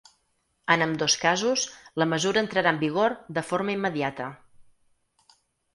En ambdós casos, la mesura entrarà en vigor de forma immediata.